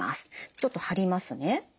ちょっと貼りますね。